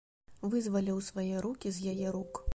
Вызваліў свае рукі з яе рук.